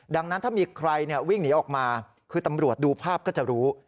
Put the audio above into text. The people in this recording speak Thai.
ดังนั้นถ้ามีใครวิ่งหนีออกมาคือตำรวจดูภาพก็จะรู้